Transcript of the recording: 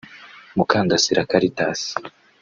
Mukandasira Caritas